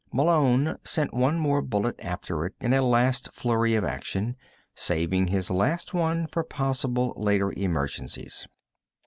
Malone sent one more bullet after it in a last flurry of action saving his last one for possible later emergencies.